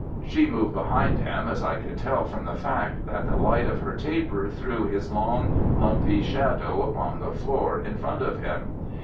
She moved behind him, as I could tell from the fact that the light of her taper threw his long, lumpy shadow upon the floor in front of him.